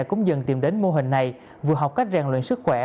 cũng dần tìm đến mô hình này vừa học cách rèn luyện sức khỏe